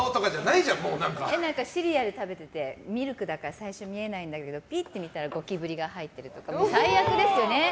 何かシリアル食べててミルクだから最初見えないんだけど見たら、ゴキブリが入ってるとか最悪ですよね。